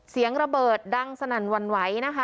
เสียงระเบิดดังสนั่นวัลว์ไว